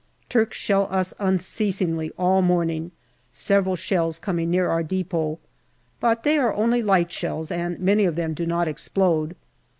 Turks shell us unceasingly all morning, several shells coming near our depot, but they are only light shells, and many of them do not explode.